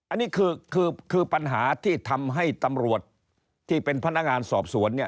อันนี้คือคือปัญหาที่ทำให้ตำรวจที่เป็นพนักงานสอบสวนเนี่ย